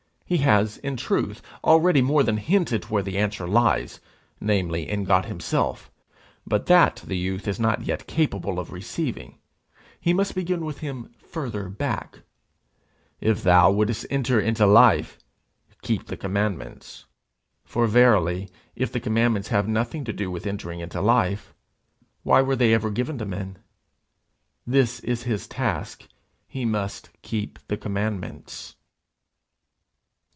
He has, in truth, already more than hinted where the answer lies, namely, in God himself, but that the youth is not yet capable of receiving; he must begin with him farther back: 'If thou wouldest enter into life, keep the commandments;' for verily, if the commandments have nothing to do with entering into life, why were they ever given to men? This is his task he must keep the commandments.